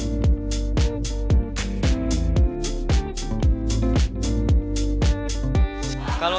nanti aku kasih tau ya